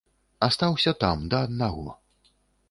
Астаўся там, да аднаго.